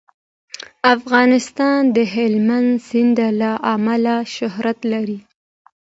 افغانستان د هلمند سیند له امله شهرت لري.